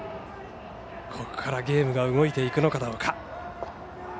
ここからゲームが動くかどうか。